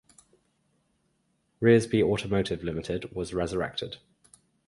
Rearsby Automotive Limited was resurrected.